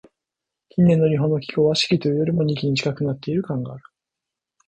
近年の日本の気候は、「四季」というよりも、「二季」に近くなっている感がある。